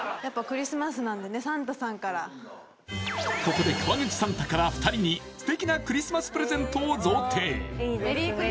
ここで川口サンタから２人に素敵なクリスマスプレゼントを贈呈イエイ！